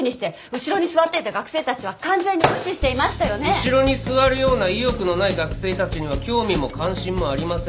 後ろに座るような意欲のない学生たちには興味も関心もありません。